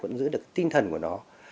vẫn giữ được tinh thần của nó